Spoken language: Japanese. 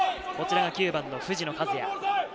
こちらは９番の藤野和哉。